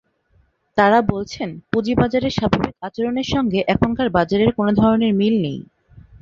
তাঁরা বলছেন, পুঁজিবাজারের স্বাভাবিক আচরণের সঙ্গে এখনকার বাজারের কোনো ধরনের মিল নেই।